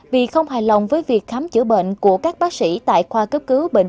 vì không hài lòng với việc khám chữa bệnh của các bác sĩ tại khoa cấp